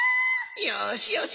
よしよし。